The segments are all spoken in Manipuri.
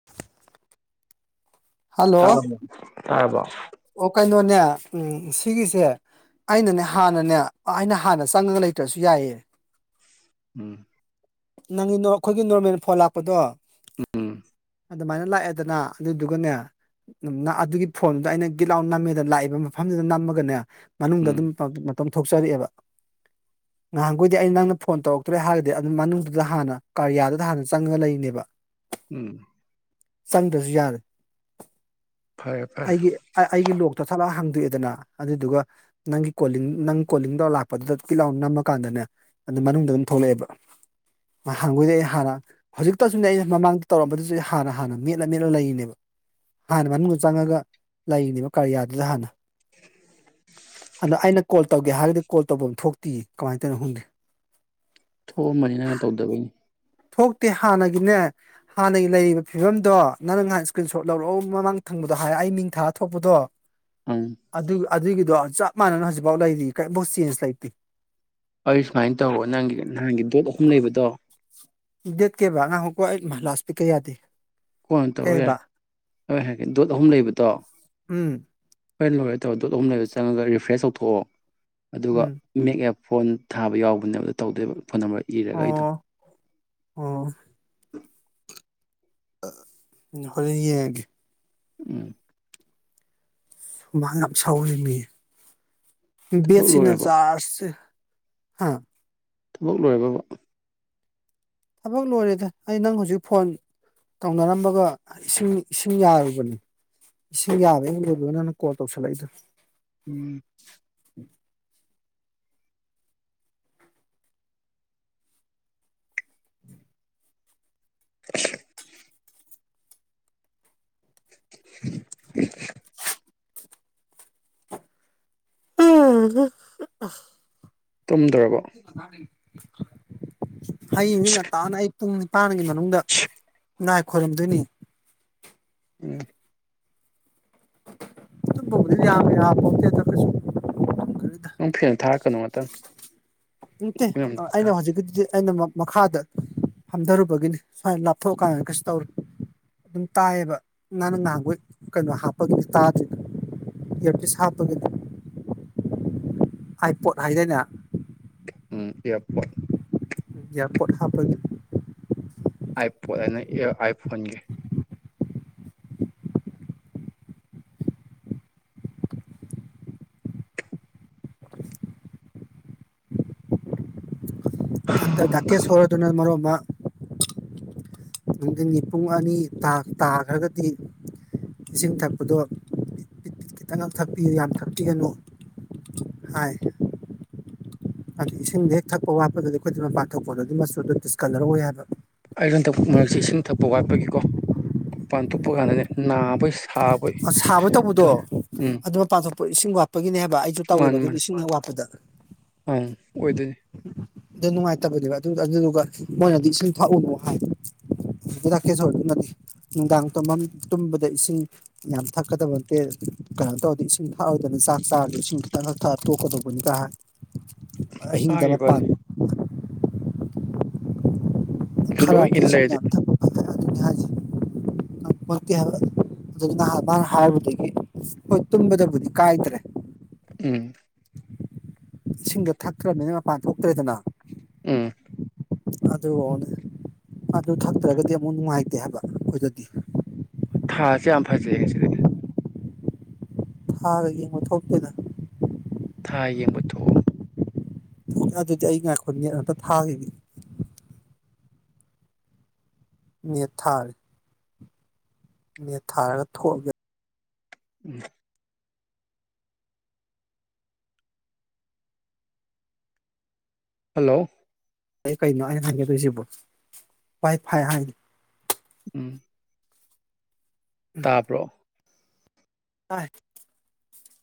[inaudible] ꯍꯜꯂꯣ ꯇꯥ ꯇꯥꯕ ꯑꯣ ꯀꯩꯅꯣꯅꯦ ꯎꯝ ꯁꯤꯒꯤꯁꯦ ꯑꯩꯅꯅꯦ ꯍꯥꯟꯅꯅꯦ ꯑꯩꯅ ꯍꯥꯟꯅ ꯆꯪꯉꯒ ꯂꯩꯇ꯭ꯔꯁꯨ ꯌꯥꯏꯌꯦ ꯎꯝ ꯅꯪꯒꯤ ꯑꯩꯈꯣꯏꯒꯤ ꯅꯣꯔꯃꯦꯜ ꯐꯣꯟ ꯂꯥꯛꯄꯗꯣ ꯎꯝ ꯑꯗꯨꯃꯥꯏꯅ ꯂꯥꯛꯑꯦꯗꯅ ꯑꯗꯨꯗꯨꯒꯅꯦ ꯑꯗꯨꯒꯤ ꯐꯣꯟꯗꯨꯗ ꯑꯩꯅ ꯒꯤꯠ ꯑꯥꯎꯟ ꯅꯝꯃꯦꯗ ꯂꯥꯛꯏꯕ ꯃꯐꯝꯗꯨꯗ ꯅꯝꯃꯒꯅꯦ ꯃꯅꯨꯡꯗ ꯎꯝ ꯑꯗꯨꯝ ꯇꯣꯝꯊꯣꯛꯆꯔꯛꯑꯦꯕ ꯉꯍꯥꯟꯈꯣꯏꯗꯤ ꯑꯩ ꯅꯪꯅ ꯐꯣꯟ ꯇꯧꯔꯛꯇ꯭ꯔꯦ ꯍꯥꯏꯔꯒꯗꯤ ꯑꯗꯨꯝ ꯃꯅꯨꯡ ꯑꯗꯨꯗ ꯍꯥꯟꯅ ꯀꯔꯤꯌꯥꯗꯨꯗ ꯍꯥꯟꯅ ꯆꯪꯉꯒ ꯂꯩꯔꯤꯅꯦꯕ ꯎꯝ ꯆꯪꯗ꯭ꯔꯁꯨ ꯌꯥꯔꯦ ꯐꯔꯦ ꯐꯔꯦ ꯑꯩꯒꯤ ꯑꯩꯒꯤ ꯂꯣꯛꯇꯣ ꯊꯠꯂꯛꯑ ꯍꯥꯡꯗꯣꯛꯑꯦꯗꯅ ꯑꯗꯨꯗꯨꯒ ꯅꯪꯒꯤ ꯀꯣꯂꯤꯡ ꯅꯪ ꯀꯣꯂꯤꯡ ꯇꯧꯔ ꯂꯥꯛꯄꯗꯨꯗ ꯑꯗꯨꯀꯤ ꯂꯥꯎ ꯅꯝꯃꯀꯥꯟꯗꯅꯦ ꯑꯗꯨ ꯃꯅꯨꯡꯗ ꯑꯗꯨꯝ ꯊꯣꯛꯂꯛꯑꯦꯕ ꯍꯪꯒꯣꯏꯗ ꯑꯩ ꯍꯥꯟꯅ ꯍꯧꯖꯤꯛꯇꯁꯨꯅꯦ ꯑꯩꯅ ꯃꯃꯥꯡꯗ ꯇꯧꯔꯝꯕꯗꯨꯁꯨ ꯑꯩ ꯍꯥꯟꯅ ꯍꯥꯟꯅ ꯃꯦꯠꯂ ꯃꯦꯠꯂ ꯂꯩꯔꯤꯅꯦꯕ ꯍꯥꯟꯅ ꯃꯅꯨꯡꯗ ꯆꯪꯉꯒ ꯂꯩꯔꯤꯅꯦꯕ ꯀꯔꯤꯌꯥꯗꯨꯗ ꯍꯥꯟꯅ ꯑꯗꯣ ꯑꯩꯅ ꯀꯣꯜ ꯇꯧꯒꯦ ꯍꯥꯏꯔꯒꯗꯤ ꯀꯣꯜ ꯇꯧꯕ ꯑꯃ ꯊꯣꯛꯇꯤ ꯀꯃꯥꯏ ꯇꯧꯅꯣ ꯍꯣꯡꯪꯗꯦ ꯊꯣꯛꯑꯝꯃꯅꯤꯅꯪ ꯇꯧꯗꯕꯩꯅꯤ ꯊꯣꯛꯇꯦ ꯍꯥꯟꯅꯒꯤꯅꯦ ꯍꯥꯟꯅꯒꯤ ꯂꯩꯔꯤꯕ ꯐꯤꯕꯝꯗꯣ ꯅꯪ ꯉꯥꯏꯍꯥꯟ ꯏꯁꯀ꯭ꯔꯤꯟ ꯁꯣꯠ ꯂꯧꯔꯣ ꯃꯃꯥꯡ ꯊꯪꯕꯗꯣ ꯍꯥꯏ ꯑꯩ ꯃꯤꯡ ꯊꯥꯔ ꯊꯣꯛꯄꯗꯣ [inaudible] ꯑꯗꯨ ꯑꯗꯨꯒꯤꯗꯣ ꯆꯞ ꯃꯥꯟꯅꯅ ꯍꯧꯖꯤꯐꯥꯎ ꯂꯩꯔꯤ ꯀꯔꯤꯝꯐꯥꯎ ꯆꯦꯟꯖ ꯂꯩꯇꯦ ꯑꯩ ꯁꯨꯃꯥꯏꯅ ꯇꯧꯔꯣ ꯅꯪꯒꯤ ꯅꯍꯥꯟꯒꯤ ꯗꯣꯠ ꯑꯍꯨꯝ ꯂꯩꯕꯗꯣ ꯗꯦꯠ ꯀꯦ ꯕ ꯑꯉꯥꯡꯍꯀꯣ ꯑꯩ ꯂꯥꯁ ꯄꯤꯛ ꯀꯩ ꯌꯥꯗꯦ ꯀꯣꯟ ꯇꯧꯔꯣ ꯌꯥꯔꯦ ꯀꯩꯕ ꯍꯣꯏ ꯍꯥꯏꯔꯒꯦ ꯗꯣꯠ ꯑꯍꯨꯝ ꯂꯩꯕꯗꯣ ꯎꯝ ꯍꯣꯏ ꯂꯣꯏꯔꯦ ꯇꯧꯔ ꯠ ꯑꯍꯨꯝ ꯂꯩꯕꯗ ꯆꯪꯉꯒ ꯔꯤꯐ꯭ꯔꯦꯁ ꯇꯧꯊꯣꯛꯑꯣ ꯑꯗꯨꯒ ꯎꯝ ꯃꯦꯛꯑꯦ ꯐꯣꯟ ꯊꯥꯕ ꯌꯥꯎꯕꯅꯦꯕꯗꯣ ꯇꯧꯗꯣꯏꯕ ꯐꯣꯟ ꯅꯝꯕꯔ ꯏꯔꯒ ꯑꯩꯗꯣ ꯑꯣ ꯑꯣ ꯎꯝ ꯍꯣꯔꯦꯟ ꯌꯦꯡꯉꯒꯦ [unintelligible] ꯁꯨꯃꯥꯡ ꯌꯥꯝ ꯁꯧꯔꯤꯅꯤ ꯊꯕꯛ ꯕꯦꯠꯁꯤꯅ ꯂꯣꯏꯔꯕꯣ ꯆꯖꯥꯔꯖꯁꯦ ꯍꯥ ꯊꯕꯛ ꯂꯣꯏꯔꯕ ꯊꯕꯛ ꯂꯣꯏꯔꯦꯗ ꯑꯩ ꯅꯪ ꯍꯧꯖꯤꯛ ꯐꯣꯟ ꯇꯧꯅꯔꯝꯃꯒ ꯏꯁꯤꯡ ꯏꯁꯤꯡ ꯌꯥꯔꯨꯕꯅꯤ ꯏꯁꯤꯡ ꯌꯥꯔꯦ ꯂꯣꯏꯕꯣꯏꯅ ꯅꯪ ꯀꯣꯜ ꯇꯧꯁꯜꯂꯛꯏꯗꯣ ꯎꯝ ꯏꯝꯝ ꯏꯃꯝ ꯎꯝ ꯇꯨꯝꯗ꯭ꯔꯕ ꯍꯌꯦꯡꯁꯤ ꯉꯇꯥꯅ ꯑꯌꯛ ꯄꯨꯡ ꯅꯤꯄꯥꯟꯒꯤ ꯃꯅꯨꯡꯗ ꯅꯥꯥꯏ ꯈꯣꯏꯔꯝꯗꯣꯏꯅꯤ ꯑ ꯃ ꯌꯥꯃꯦ ꯍꯥ ꯄꯣ ꯆꯦꯗ ꯀꯁꯨ ꯅꯨꯡꯐꯤꯅ ꯊꯥꯀꯅꯨ ꯃꯇꯪ ꯏꯠꯇꯦ ꯑꯩꯅ ꯍꯧꯖꯤꯛꯀꯤꯗꯤ ꯑꯩꯅ ꯃꯈꯥꯗ ꯐꯝꯊꯔꯨꯕꯒꯤꯅꯤ ꯁꯨꯃꯥꯏꯅ ꯂꯥꯞꯊꯣꯛꯑꯀꯥꯟꯗ ꯀꯩꯁꯨ ꯇꯧꯔꯤ ꯑꯗꯨꯝ ꯇꯥꯏꯌꯦꯕ ꯅꯅ ꯅꯍꯥꯡꯕ ꯀꯩꯅꯣ ꯍꯥꯞꯄꯒꯤ ꯇꯥꯗ꯭ꯔꯤꯗꯣ ꯁꯥ ꯇꯒꯗ ꯍꯥꯏ ꯄꯣꯠ ꯍꯥꯏꯗꯅ ꯎꯝ ꯌꯥꯄ ꯌꯥꯌꯥ ꯄꯠꯥꯞ ꯂꯩ ꯑꯥꯏ ꯄꯣꯠ ꯍꯥꯏꯅ ꯑꯥꯏꯐꯣꯟꯒꯤ ꯍꯥ ꯇꯥꯛꯀꯦ ꯁꯣꯔꯣꯗꯨꯅ ꯃꯔꯛ ꯑꯃ ꯅꯨꯡꯊꯤꯤꯟꯒꯤ ꯄꯨꯡ ꯑꯅꯤ ꯇꯥꯈ꯭ꯔꯒꯗꯤ ꯏꯁꯤꯡ ꯊꯛꯄꯗꯣ ꯈꯤꯇꯪ ꯊꯛꯄꯤꯌꯨ ꯌꯥꯝ ꯊꯛꯄꯤꯒꯅꯨ ꯍꯥꯏ ꯑꯗꯨꯗ ꯏꯁꯤꯡꯗ ꯍꯦꯛ ꯊꯛꯄ ꯋꯥꯠꯄꯗꯗꯤ ꯑꯩꯈꯣꯏꯗ ꯃ ꯄꯥꯟꯊꯣꯛꯄꯗ ꯑꯗꯨꯝ ꯃꯆꯨꯗꯣ ꯇꯗꯤꯤꯁꯀꯜꯂꯔꯣꯏ ꯍꯥꯏꯕ ꯑꯩꯅ ꯊꯕꯛ ꯃꯔꯛꯁꯦ ꯏꯁꯤꯡ ꯊꯛꯄ ꯋꯥꯠꯄꯒꯤꯀꯣ ꯃꯄꯥꯟ ꯊꯣꯛꯄ ꯀꯥꯟꯗꯅꯦ ꯅꯥꯕ ꯑ ꯁꯥꯕ ꯇꯧꯕꯗꯣ ꯎꯝ ꯑꯗꯨ ꯄꯥꯊꯣꯛꯄ ꯏꯁꯤꯡ ꯋꯥꯠꯄꯒꯤꯅꯦ ꯍꯥꯏꯕ ꯑꯩꯁꯨ ꯇꯧꯋꯦꯕ ꯃꯥꯅꯤ ꯑꯗꯨꯝ ꯃꯥꯅꯤ ꯏꯁꯤꯡ ꯋꯥꯠꯄꯗ ꯑꯪ ꯑꯣꯏꯗꯣꯏꯅꯤ ꯑꯗꯨ ꯅꯨꯡꯉꯥꯏꯇꯕꯅꯦꯕ ꯑꯗꯨ ꯑꯗꯨꯗꯨꯒ ꯃꯣꯏꯅꯗꯤ ꯏꯁꯤꯡ ꯊꯛꯎꯅꯣ ꯍꯥꯏ ꯔꯥꯀꯦꯁꯣꯔ ꯑꯗꯨꯅꯗꯤ ꯅꯨꯡꯗꯥꯡꯐꯝ ꯇꯨꯝꯕꯗ ꯏꯁꯤꯡ ꯌꯥꯝ ꯊꯛꯀꯗꯕ ꯅꯠꯇꯦ ꯀꯩꯅꯣ ꯇꯧꯔꯗꯤ ꯏꯁꯤꯡ ꯊꯛꯑꯗꯅ ꯆꯥꯛ ꯆꯥꯔꯁꯨ ꯏꯁꯤꯡ ꯈꯤꯇꯛ ꯍ ꯊꯛ ꯇꯣꯛꯀꯗꯧꯕꯅꯤ ꯀꯥꯏ ꯏꯝꯃ ꯑꯍꯤꯡꯗ ꯃꯄꯥꯟ ꯈꯔꯗꯤ ꯏꯁꯤꯡ ꯌꯥꯝ ꯊꯛ ꯕꯤꯝ ꯄꯀꯦ ꯍꯥꯏꯕ ꯑꯗꯨ ꯅꯍꯥꯟ ꯅꯍꯅ ꯍꯥꯏꯔꯕꯗꯒꯤ ꯍꯣꯏ ꯇꯨꯝꯕꯗꯕꯨꯗꯤ ꯀꯥꯏꯗ꯭ꯔꯦ ꯎꯝ ꯏꯁꯤꯡꯗꯣ ꯊꯛꯇ꯭ꯔꯕꯅꯤꯅ ꯃꯄꯥꯟ ꯊꯣꯛꯇ꯭ꯔꯦꯗꯅ ꯎꯝ ꯑꯗꯨꯅꯦ ꯑꯗꯨ ꯊꯛꯇ꯭ꯔꯒꯗꯤ ꯑꯃꯨꯛ ꯅꯨꯡꯉꯥꯏꯇꯦ ꯍꯥꯏꯕ ꯑꯩꯈꯣꯏꯗꯗꯤ ꯊꯥꯁꯦ ꯌꯥꯝ ꯐꯖꯩ ꯌꯦꯡꯁꯗꯤ ꯍꯥꯏꯗꯒꯤ ꯌꯦ ꯃꯠ ꯍꯣꯇꯅ ꯊꯥ ꯌꯦꯡꯕ ꯊꯣꯛꯑꯣ ꯑꯗꯨꯗꯤ ꯑꯩ ꯉꯥꯛꯈꯨꯅꯤꯅ ꯑꯝꯇ ꯊꯥꯈꯤꯅꯤ ꯌꯦꯠ ꯊꯥꯔ ꯃꯤ ꯊꯥꯔꯒ ꯊꯣꯛꯑꯒꯦ ꯎꯝ ꯍꯜꯂꯣ ꯑꯩ ꯀꯩꯅꯣ ꯑꯩꯅ ꯍꯥꯏꯪꯒꯗꯣꯏꯁꯤꯕ ꯐꯥꯏ ꯐꯥꯏ ꯍꯥꯏꯗꯤ ꯎꯝ ꯇꯥꯕ꯭ꯔꯣ ꯑ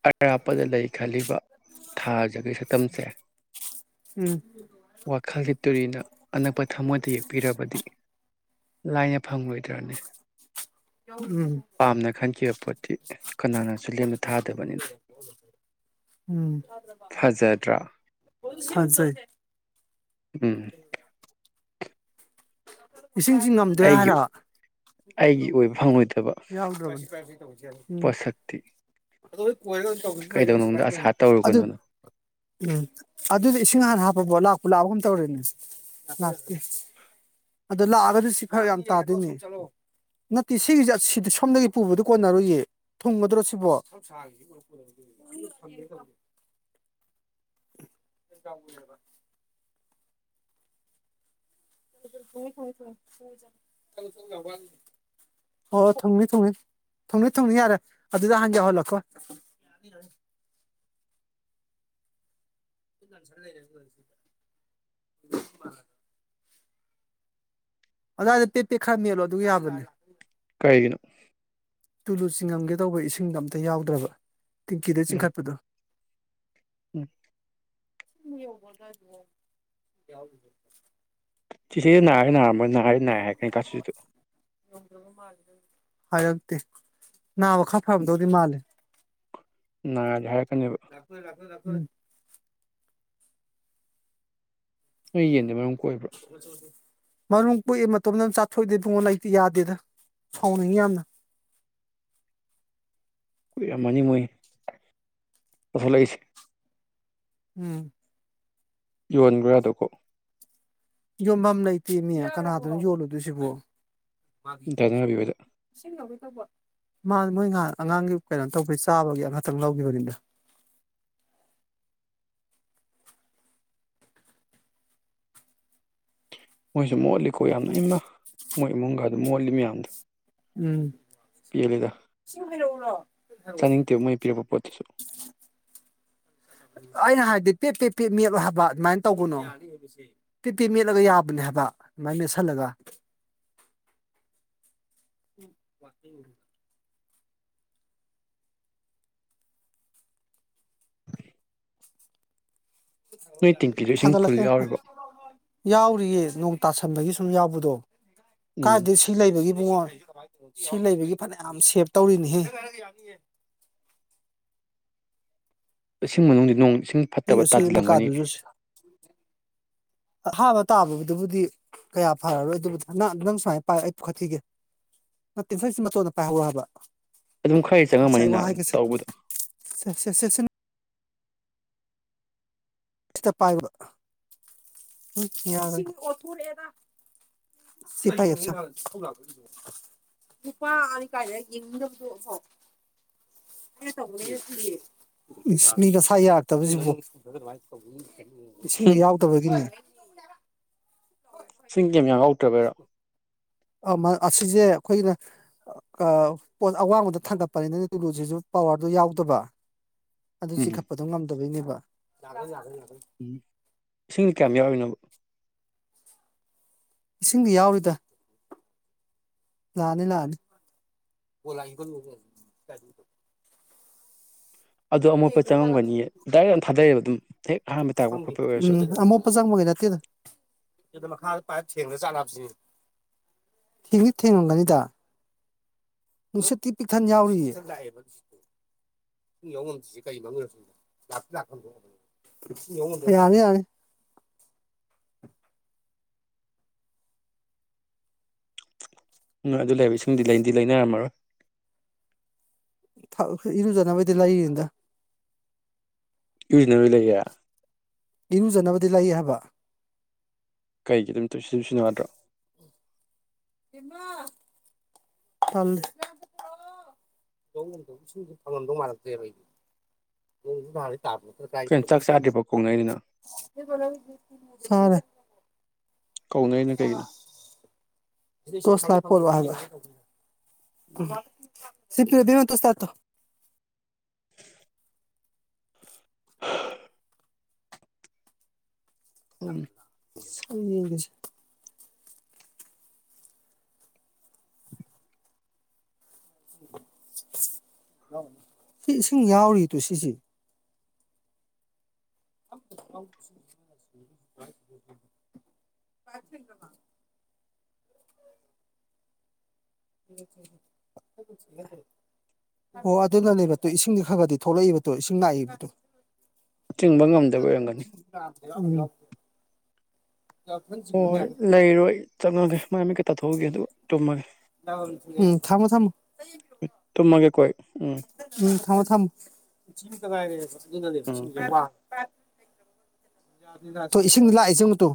ꯑꯔꯥꯞꯄꯗ ꯂꯩ ꯈꯜꯂꯤꯕ ꯊꯥꯖꯒꯤ ꯁꯛꯇꯝꯁꯦ ꯎꯝ ꯋꯥꯈꯜꯒꯤ ꯇꯨꯔꯤꯅ ꯑꯅꯛꯄ ꯊꯃꯣꯏꯗ ꯌꯦꯛꯄꯤꯔꯕꯗꯤ ꯂꯥꯏꯅ ꯐꯪꯂꯪꯂꯣꯏꯗ꯭ꯔꯅꯦ ꯌꯥ ꯄꯥꯝꯅ ꯈꯟꯈꯤꯕ ꯄꯣꯠꯇꯤ ꯀꯅꯥꯅꯁꯨ ꯂꯦꯝꯅ ꯊꯥꯗꯕꯅꯤꯅ [inaudible] ꯎꯝ ꯐꯖꯗ꯭ꯔꯥ ꯐ ꯁꯥꯏ ꯎꯝ ꯏꯁꯤꯡꯁꯤ ꯉꯝꯗꯦ ꯑꯩꯒꯤ ꯍꯥꯏꯔ ꯑꯩꯒꯤ ꯑꯣꯏꯕ ꯐꯪꯉꯣꯏꯗꯕ ꯌꯥꯎꯗ꯭ꯔꯣ ꯎꯝ ꯄꯣꯠꯁꯛꯇꯤ ꯑꯗꯨ ꯀꯣꯏꯔ ꯇꯧꯥꯏ ꯀꯩꯗꯧꯅꯨꯡꯗ ꯑꯁꯥ ꯑꯗꯨ ꯇꯧꯔꯨꯒꯅꯣꯅ ꯎꯝ ꯑꯗꯨꯗꯤ ꯏꯁꯤꯡ ꯍꯥꯟꯅ ꯍꯥꯞꯄꯕ ꯂꯥꯛꯄ ꯂꯥꯛꯄꯒꯨꯝ ꯇꯧꯔꯦꯅꯦ ꯂꯥꯛꯇꯦ ꯑꯗꯣ ꯂꯥꯛꯑꯒꯗꯤ ꯁꯤ ꯈꯔ ꯌꯥꯝ ꯇꯥꯗꯣꯏꯅꯦ ꯅꯠꯇꯦ ꯁꯤꯒꯤꯁꯦ ꯁꯤꯗꯤ ꯁꯣꯝꯗꯒꯤ ꯄꯨꯕꯗꯨ ꯀꯣꯟꯅꯔꯨꯏꯌꯦ ꯊꯨꯡꯒꯗ꯭ꯔꯣ ꯁꯤꯕꯣ ꯁ ꯁꯥꯥ ꯀ [inaudible] ꯑꯣꯣꯏ ꯊꯣꯡꯅꯤ ꯊꯨꯡꯅꯤ ꯊꯣꯡꯅꯤ ꯊꯨꯡꯅꯤ ꯌꯥꯔꯦ ꯑꯗꯨꯗ ꯍꯥꯟ ꯌꯧꯍꯜꯂꯛꯀꯣ [inaudible] ꯀꯥꯟꯁꯔ ꯂꯩꯅ ꯂꯁꯤꯗ ꯑꯗꯨꯖꯥꯏꯗ ꯇ ꯄꯦꯠꯦꯛ ꯈꯔ ꯃꯦꯜꯠꯂꯣ ꯑꯗꯨ ꯌꯥꯕꯅꯦ ꯀꯩꯒꯤꯅꯨ ꯇꯨꯂꯨ ꯆꯤꯡꯉꯝꯒꯦ ꯇꯧꯕ ꯏꯁꯤꯡꯗꯣ ꯑꯝꯇ ꯌꯥꯎꯗ꯭ꯔꯕ ꯇꯤꯡꯀꯤꯗ ꯎꯝ ꯆꯤꯡꯈꯠꯄꯗꯣ ꯎꯝ ꯌꯥ ꯁꯤꯤꯁꯦꯅꯥꯏ ꯅꯥꯔꯃꯣꯏ ꯍꯏ ꯅꯥꯏ ꯍꯥꯏ ꯀꯩꯅꯩ ꯀꯥꯁꯨꯗꯣ ꯍꯥꯏꯛꯇ ꯅꯥ ꯃꯈ ꯈꯥ ꯐꯝꯗꯧꯗꯤ ꯃꯥꯜꯂꯦ ꯅꯔ ꯀ ꯂꯥꯛꯣꯏ ꯂꯥꯛꯀꯣꯏ ꯂꯥꯛꯈꯣꯏꯅꯤ ꯅꯣꯏ ꯌꯦꯟꯗꯦ ꯃꯔꯝ ꯀꯣꯏꯕ ꯍꯧꯆ ꯑꯗꯨ ꯃꯔꯨꯝ ꯀꯣꯛꯑ ꯃꯇꯝꯗ ꯑꯗꯨ ꯆꯥꯊꯣꯛꯏꯗꯦ ꯐꯨꯡꯉꯣꯟ ꯂꯩꯇ ꯌꯥꯗꯦꯗ ꯁꯥꯎꯅꯤꯡꯉꯤ ꯌꯥꯝꯅ ꯀꯨꯏ ꯑꯃꯅꯤ ꯃꯣꯏ ꯄꯨꯊꯂꯛꯏꯁꯤ ꯎꯝ ꯌꯣꯟꯈ꯭ꯔꯥꯗ ꯀꯣ ꯌꯣꯟꯐꯝ ꯂꯩꯇꯦꯅꯦ ꯀꯅꯥꯗꯝ ꯌꯣꯜꯂꯨꯗꯣꯏꯁꯤꯕꯣ ꯗꯥꯏꯅꯕꯤꯍꯣꯏꯗ ꯃꯥ ꯃꯣꯏ ꯉꯍꯥꯟ ꯑꯉꯥꯡꯒꯤ ꯀꯩꯅꯣ ꯇꯧꯕꯒꯤ ꯆꯥꯕꯒꯤ ꯑꯃꯈꯇꯪ ꯂꯧꯈꯤꯕꯅꯤꯅ ꯃꯣꯏꯁꯨ ꯃꯣꯠꯂꯤꯀꯣ ꯌꯥꯝꯅ ꯏꯃ ꯃꯣꯏ ꯏꯃꯨꯡꯒꯗ ꯃꯣꯠꯂꯤ ꯃꯌꯥꯝꯗꯣ ꯎꯝ ꯄꯤꯍꯂꯗ ꯆꯥꯅꯤꯡꯗꯦ ꯃꯣꯏ ꯄꯤꯔꯛꯄ ꯄꯣꯠꯇꯨꯁꯨ ꯑꯩꯅ ꯍꯥꯏꯗꯤ ꯄꯦꯞ ꯇꯦꯞ ꯄꯦꯞ ꯃꯦꯞ ꯍꯥꯏꯕ ꯑꯗꯨꯃꯥꯏꯅ ꯇꯧꯕꯅꯨ ꯄꯤ ꯄꯤ ꯃꯦꯠꯂꯒ ꯌꯥꯕꯅꯦ ꯍꯥꯏꯕ ꯑꯗꯨꯃꯥꯏꯅ ꯃꯦꯠꯁꯤꯜꯂꯒ ꯋꯥꯀꯤꯡ ꯅꯣꯏ ꯇꯦꯡꯀꯤꯗꯣ ꯏꯁꯤꯡ ꯊꯗ ꯐꯨꯜ ꯂꯈ ꯌꯥꯎꯔꯤꯕꯣ ꯌꯥꯎꯔꯤꯌꯦ ꯅꯣꯡ ꯇꯥꯁꯟꯕꯒꯤ ꯁꯨꯝ ꯌꯥꯎꯕꯗꯣ ꯎꯝ ꯀꯥꯏꯗ ꯁꯤ ꯂꯩꯕꯒꯤ ꯨꯡꯉꯣ ꯁꯤ ꯂꯩꯕꯒꯤ ꯐꯅꯌꯥꯝ ꯁꯦꯞ ꯇꯧꯔꯤꯅꯤꯍꯦ ꯏꯁꯤꯡ ꯃꯅꯨꯡꯗꯗꯤ ꯅꯣꯡ ꯏꯁꯤꯡ ꯁꯤ ꯐꯠꯇꯕ ꯑꯁꯤ ꯇꯥꯁꯤꯜꯂꯝꯒꯅꯤ ꯃꯀꯥꯗꯨꯁꯨ ꯑꯍꯥꯕ ꯇꯥꯕꯗꯨꯕꯨꯗꯤ ꯀꯌꯥ ꯐꯔꯔꯣꯏ ꯑꯗꯨꯕꯨꯗ ꯅꯪ ꯅꯪ ꯁꯨꯃꯥꯏꯅ ꯄꯥꯏ ꯑꯩꯈꯠꯈꯤꯒꯦ ꯅꯠꯇꯦ ꯐꯛꯁꯤ ꯃꯇꯆꯣꯟꯗ ꯄꯥꯏꯍꯧ ꯍꯥꯏꯕ ꯑꯗꯨꯝ ꯈꯔꯗꯤ ꯆꯪꯉꯝꯃꯅꯤꯅ ꯇꯧꯕꯗꯣ ꯁ ꯁꯦ ꯁꯤꯇ ꯄꯥꯏꯌꯨꯕ [unintelligible] ꯀꯨꯄꯥ ꯑ ꯀ ꯌꯦꯗ ꯍꯥꯎ [unintelligible] ꯃꯤꯒꯁꯥ ꯌꯥꯔꯛꯇꯕꯁꯤꯕꯨ ꯏꯁꯤꯡꯗꯥ ꯌꯥꯎꯗꯕꯒꯤꯅꯦ ꯁꯤꯡ ꯀꯦꯝ ꯌꯥꯝ ꯌꯥꯎꯗ꯭ꯔꯕꯔꯣ ꯑ ꯑꯁꯤꯁꯦ ꯑꯩꯈꯣꯏꯅ ꯄꯣ ꯑꯋꯥꯡꯕꯗ ꯊꯥꯡꯒꯠꯄꯅꯤꯅꯅꯦ ꯇꯨꯂꯨꯁꯤꯁꯨ ꯄꯋꯥꯔꯗꯨ ꯌꯥꯎꯗꯕ ꯑꯗꯨ ꯎꯝ ꯆꯤꯈꯠꯄꯗꯣ ꯉꯝꯗꯕꯩꯅꯦꯕ ꯎꯝ ꯏꯁꯤꯡ ꯀꯌꯥꯝ ꯌꯥꯎꯔꯤꯅꯣꯕ ꯏꯁꯤꯡꯗꯤ ꯌꯥꯎꯔꯤꯗ ꯂꯥꯅꯤ ꯂꯥꯅꯤ ꯑꯗꯣ ꯑꯃꯣꯠꯄ ꯆꯪꯉꯝꯒꯅꯤꯌꯦ ꯗꯥꯏꯔꯦꯛ ꯌꯥꯝ ꯊꯥꯗꯩꯑꯦꯕ ꯑꯗꯨꯝ ꯍꯦꯛ ꯑꯍꯥꯟꯕ ꯇꯥꯛꯄ ꯈꯣꯠꯄ ꯑꯣꯏꯔꯁꯨ ꯑ ꯆꯪꯕꯒꯤ ꯅꯠꯇꯦꯅ ꯃꯈꯥꯥꯏ ꯊꯦꯡ ꯆꯥꯅꯕꯅꯦ ꯍꯤꯡꯂꯤꯠ ꯊꯦꯡꯉꯝꯒꯅꯤꯗ ꯅꯨꯡꯁ ꯇꯤ ꯄꯤꯛ ꯈꯅ ꯌꯥꯎꯔꯤ [unintelligible] ꯐ ꯌꯥꯅꯤ ꯌꯥꯅꯤ ꯎ ꯑꯗꯨ ꯂꯩꯕ ꯏꯁꯤꯡꯗꯤ ꯂꯩꯅꯗꯤ ꯂꯩꯅꯔꯝꯃꯔꯣꯏ ꯏꯔꯨꯖꯅꯕꯩꯗꯤ ꯂꯩꯔꯤꯅꯤꯗ ꯌꯨꯖꯤꯅ ꯂꯩ ꯂꯩꯌꯥ ꯏꯔꯨꯖꯅꯕꯗꯤ ꯂꯩ ꯍꯥꯏꯕ [unintelligible] [unintelligible] [unintelligible] [unintelligible] ꯆꯥꯛ ꯆꯥꯗ꯭ꯔꯤꯕ ꯀꯣꯅꯔꯤꯅ ꯐꯔꯦ ꯀꯧꯅꯩꯅ ꯀꯩꯒꯤꯅꯣ [unintelligible] [unintelligible] ꯌꯦꯁ ꯁꯤ ꯏꯁꯤꯡ ꯌꯥꯎꯔꯤꯗꯨ ꯁꯤꯁꯦ [unintelligible] [unintelligible] ꯑꯣ ꯑꯗꯨꯅꯅꯦꯕ ꯏꯁꯤꯡꯗꯤ ꯈꯔ ꯈꯔꯗꯤ ꯊꯣꯛꯂꯛꯏꯕꯇꯨ ꯏꯁꯤꯡ ꯂꯥꯛꯏꯕꯗꯣ ꯆꯤꯡꯕ ꯉꯝꯗꯕ ꯑꯣꯏꯔꯝꯒꯅꯤ [unintelligible] ꯍꯣꯏ ꯍꯣꯏ ꯂꯩꯔꯣꯏ ꯆꯠꯉꯒꯦ ꯃꯥꯏ ꯃꯀꯩ ꯇꯥꯊꯣꯛꯑꯒꯦ ꯑꯗꯨ ꯇꯨꯝꯃꯒꯦ ꯎꯝ ꯊꯝꯃꯣ ꯊꯝꯃꯣ ꯇ ꯃꯥꯒꯦ ꯀꯣꯏ ꯎꯝ ꯎꯝ ꯊꯝꯃꯣ ꯊꯝꯃꯣ ꯀꯗꯥꯥꯏꯔꯦꯅꯅꯦ ꯎꯝ ꯒꯨꯠ ꯅꯥꯏꯠ ꯁ ꯏꯁꯤꯡꯗ ꯂꯥꯛꯏꯁꯤꯉꫭ ꯇꯨ